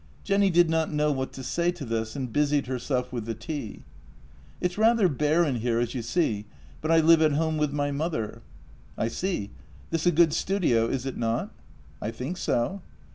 Jenny did not know what to say to this, and busied herself with the tea. " It's rather bare in here, as you see, but I live at home with my mother." " I see. This a good studio, is it not? "" I think so."